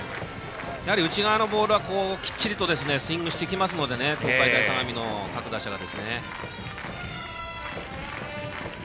内側のボールはきっちりとスイングをしてきますので東海大相模の各打者は。